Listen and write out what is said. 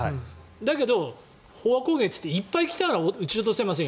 だけど、飽和攻撃っていっていっぱい来たら撃ち落とせません。